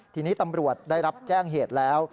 ทีนี้ตำรวจได้รับแจ้งเหตุแล้ว